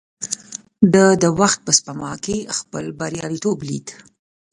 ده د وخت په سپما کې خپل برياليتوب ليد.